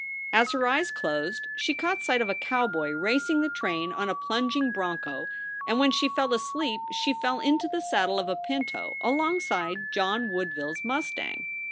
As her eyes closed she caught sight of a cowboy racing the train on a plunging broncho, and when she fell asleep she fell into the saddle of a pinto alongside John Woodville s mustang.